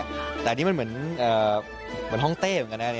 แต่อันนี้มันเหมือนห้องเต้เหมือนกันนะ